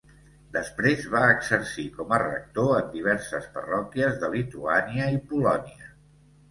Després va exercir com a rector en diverses parròquies de Lituània i Polònia.